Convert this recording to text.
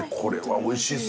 おいしいです。